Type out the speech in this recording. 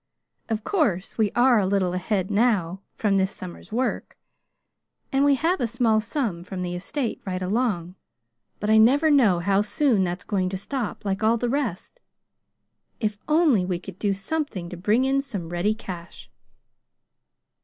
"Of course we are a little ahead now from this summer's work, and we have a small sum from the estate right along; but I never know how soon that's going to stop, like all the rest. If only we could do something to bring in some ready cash!"